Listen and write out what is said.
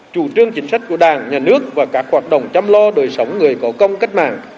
chủ trương chính sách của đảng nhà nước và các hoạt động chăm lo đời sống người có công cách mạng